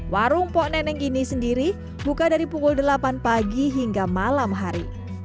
warung po neneng gini sendiri buka dari pukul delapan pagi hingga malam hari